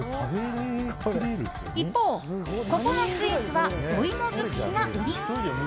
一方、ここのスイーツはお芋尽くしが売り。